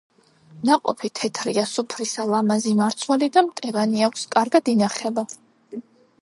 ნაყოფი თეთრია, სუფრისა, ლამაზი მარცვალი და მტევანი აქვს, კარგად ინახება.